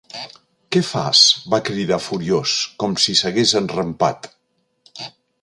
Què fas? —va cridar furiós, com si s'hagués enrampat.